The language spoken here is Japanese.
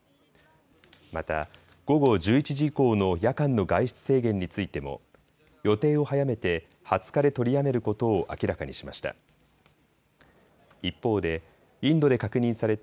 また午後１１時以降の夜間の外出制限についても予定を早めて２０日で取りやめることを明らかにしました。